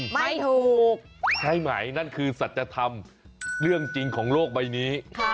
ภาระไว้หมายนั้นคือสัจธรรมเรื่องจริงของโลกใบนี้